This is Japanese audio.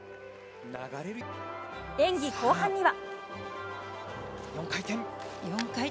演技後半には。